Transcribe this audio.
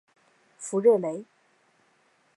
弗热雷。